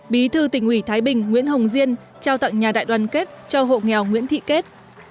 bí thư tỉnh ủy thái bình nguyễn hồng diên trao tặng nhà đại đoàn kết cho hộ nghèo nguyễn thị kết